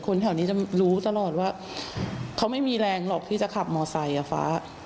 แถวนี้จะรู้ตลอดว่าเขาไม่มีแรงหรอกที่จะขับมอไซค์อ่ะฟ้า